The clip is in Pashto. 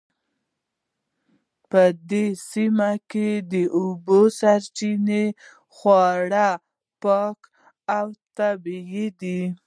په دې سیمه کې د اوبو سرچینې خورا پاکې او طبیعي دي